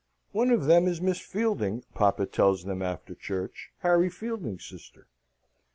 One of them is Miss Fielding, papa tells them after church, Harry Fielding's sister.